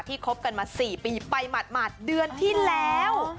คบกันมา๔ปีไปหมาดเดือนที่แล้ว